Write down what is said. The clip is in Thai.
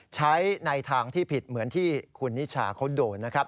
ใช้ในทางที่ผิดเหมือนที่คุณนิชาเขาโดนนะครับ